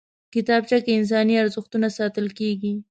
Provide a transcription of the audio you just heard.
کتابچه کې انساني ارزښتونه ساتل کېږي